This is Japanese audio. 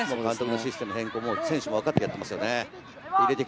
システム変更も選手は分かってやっていますよね。